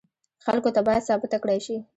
خلکو ته باید ثابته کړای شي.